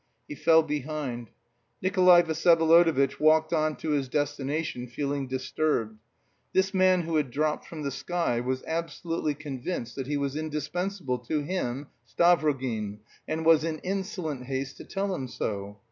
He fell behind. Nikolay Vsyevolodovitch walked on to his destination, feeling disturbed. This man who had dropped from the sky was absolutely convinced that he was indispensable to him, Stavrogin, and was in insolent haste to tell him so.